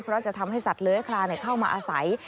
เพราะจะทำให้สัตว์เลื้อยคลานเข้ามาอาศัย